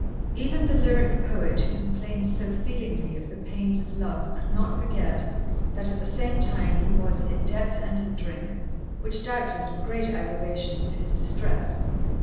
Even the lyric poet who complains so feelingly of the pains of love could not forget, that at the same time he was 'in debt and in drink,' which, doubtless, were great aggravations of his distress.